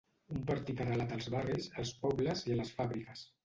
Un partit arrelat als barris, als pobles i a les fàbriques.